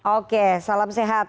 oke salam sehat